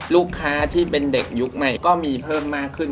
ลูกค้าที่เป็นเด็กยุคใหม่ก็มีเพิ่มมากขึ้น